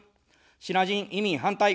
シナ人移民反対。